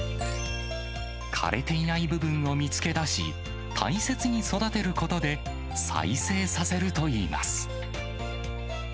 枯れていない部分を見つけだし、大切に育てることで、再生させるといいます。